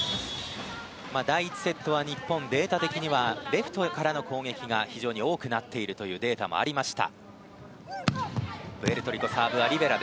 第１セットは日本データ的にはレフトからの攻撃が非常に多くなっているデータもありました。